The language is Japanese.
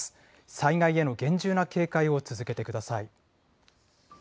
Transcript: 災害への厳重な警戒を続けてください。